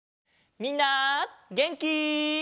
みんなげんき？